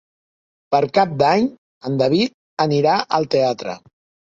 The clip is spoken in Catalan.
Per Cap d'Any en David anirà al teatre.